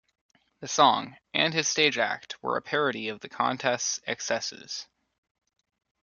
The song, and his stage act, were a parody of the contest's excesses.